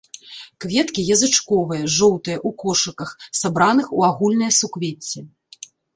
Кветкі язычковыя, жоўтыя, у кошыках, сабраных у агульнае суквецце.